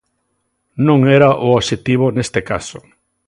Non era o obxectivo neste caso.